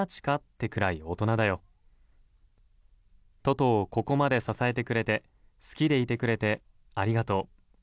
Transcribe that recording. ってくらい大人だよ。ととをここまで支えてくれて好きでいてくれてありがとう。